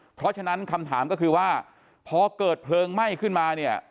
เพราะฉะนั้นคำถามก็คือว่าพอเกิดเพลิงไหม้ขึ้นมาเนี่ย